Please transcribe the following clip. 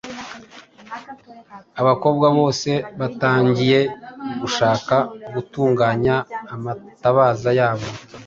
Abakobwa bose batangiye gushaka gutunganya amatabaza yabo